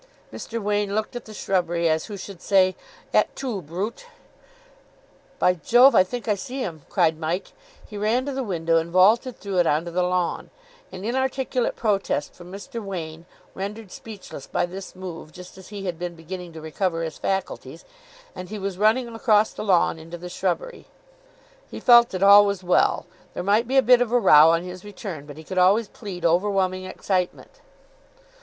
Mr. Wain looked at the shrubbery, as who should say, "Et tu, Brute!" "By Jove! I think I see him," cried Mike. He ran to the window, and vaulted through it on to the lawn. An inarticulate protest from Mr. Wain, rendered speechless by this move just as he had been beginning to recover his faculties, and he was running across the lawn into the shrubbery. He felt that all was well. There might be a bit of a row on his return, but he could always plead overwhelming excitement.